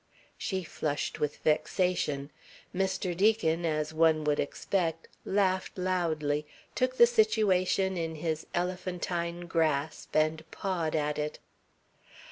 She flushed with vexation. Mr. Deacon, as one would expect, laughed loudly, took the situation in his elephantine grasp and pawed at it.